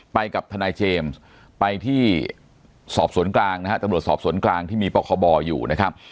ไปกับทนายเจมส์ไปที่สอบสวนกลางนะฮะตำรวจสอบสวนกลางที่มีปคบอยู่นะครับ